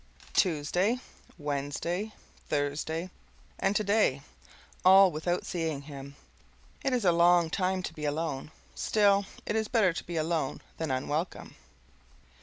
Tuesday Wednesday Thursday and today: all without seeing him. It is a long time to be alone; still, it is better to be alone than unwelcome.